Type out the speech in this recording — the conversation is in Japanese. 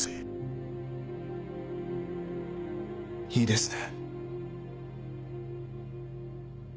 いいですね？